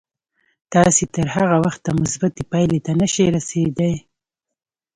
تاسې تر هغه وخته مثبتې پايلې ته نه شئ رسېدای.